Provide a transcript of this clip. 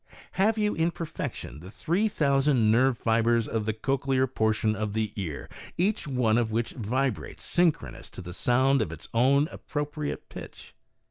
Have you in perfection the three thousand nerve fibres of the cochlear portion of the ear each one of which vibrates synchronous to the sound of its own appropriate pitch